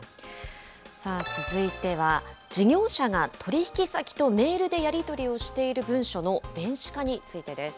さあ、続いては、事業者が取り引き先とメールでやり取りをしている文書の電子化についてです。